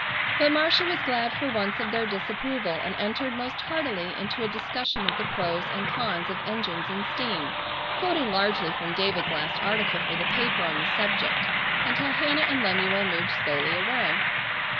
But Marcia was glad for once of their disapproval and entered most heartily into a discussion of the pros and cons of engines and steam, quoting largely from David's last article for the paper on the subject, until Hannah and Lemuel moved slowly away.